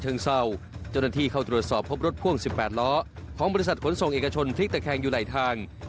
จึงหากรถเลี้ยวสายเพื่อใช้เส้นทางเดียงเป็นจังหวะเดียวกับที่ล้อหลังสายอย่างรั่ว